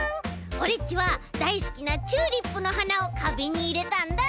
オレっちはだいすきなチューリップのはなをかびんにいれたんだ！